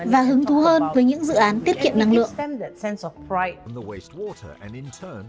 và hứng thú hơn với những dự án tiết kiệm năng lượng